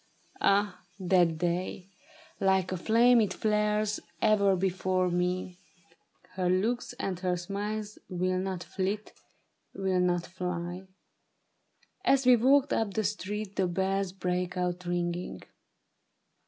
Ah, that day ! Like a flame It flares ever before me ; her looks and her smiles Will not flit, will not fly. As we walked up the street The bells brake out ringing.